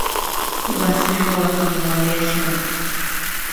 Wasi ruwaq yawaryashan.